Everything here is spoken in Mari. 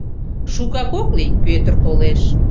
Шукак ок лий, Пӧтыр толеш.